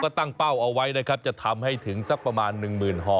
เขาก็ตั้งเป้าเอาไว้นะครับจะทำให้ถึงสักประมาณ๑๐๐๐๐ห่อ